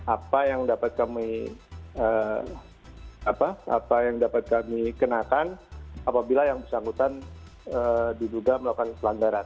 apa yang dapat kami kenakan apabila yang bersangkutan diduga melakukan pelanggaran